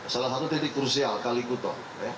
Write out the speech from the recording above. salah satu titik krusial kalikuto